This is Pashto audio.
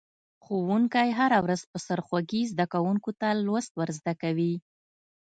ښوونکی هره ورځ په سرخوږي زده کونکو ته لوست ور زده کوي.